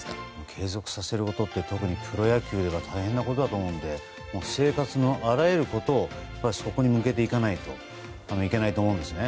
継続させることって特にプロ野球で大変だと思うので生活のあらゆることを向けないといけないと思うんですね。